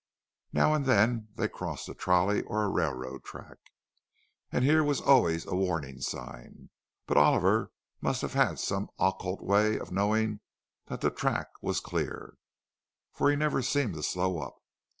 Now and then they crossed a trolley or a railroad track, and here was always a warning sign; but Oliver must have had some occult way of knowing that the track was clear, for he never seemed to slow up.